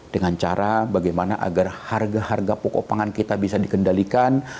dengan cara bagaimana agar harga harga pokok pangan kita bisa dikendalikan